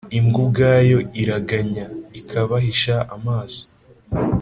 imbwa ubwayo iraganya, ikabahisha amaso.